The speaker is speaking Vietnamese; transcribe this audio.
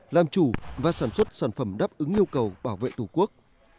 làm chủ và sản xuất sản phẩm đáp ứng nhu cầu bảo vệ tổ quốc